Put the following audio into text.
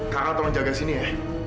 kak al tolong jaga sini ya